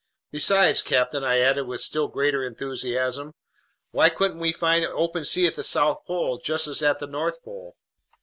"Besides, captain," I added with still greater enthusiasm, "why wouldn't we find open sea at the South Pole just as at the North Pole?